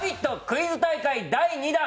クイズ大会第２弾